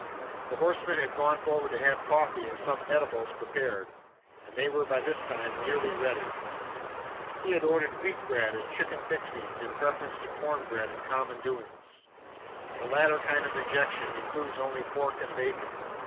The horseman had gone forward to have coffee and some eatables prepared, and they were by this time nearly ready. He had ordered 'wheat bread and chicken fixings,' in preference to 'corn bread and common doings.' The latter kind of rejection includes only pork and bacon.